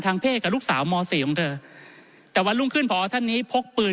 เพศกับลูกสาวมสี่ของเธอแต่วันรุ่งขึ้นพอท่านนี้พกปืน